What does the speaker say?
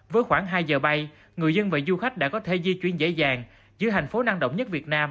với khoảng hai giờ bay người dân và du khách đã có thể di chuyển dễ dàng giữa thành phố năng động nhất việt nam